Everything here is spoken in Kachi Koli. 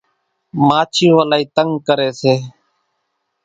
ماڇِيوُن الائِي تنڳ ڪريَ سي۔